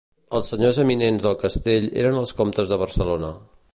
Els senyors eminents del castell eren els comtes de Barcelona.